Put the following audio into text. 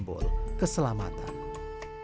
dan juga versi ter competition pempiva